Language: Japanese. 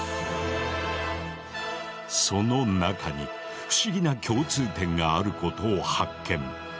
その中に不思議な共通点があることを発見。